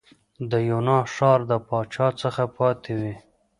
د یونا ښار د پاچا څخه پاتې وې.